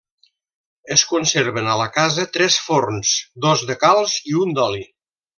Es conserven a la casa tres forns: dos de calç i un d'oli.